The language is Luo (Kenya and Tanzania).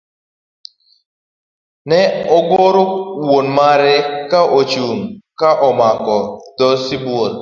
Ne ogoro wuon mare ka ochung' ka omako dhoo sibuor.